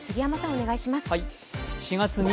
お願いします。